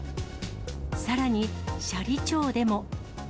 さらに、斜里町でも。